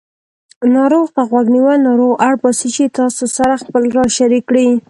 ناروغ ته غوږ نیول ناروغ اړباسي چې تاسې سره خپل راز شریک کړي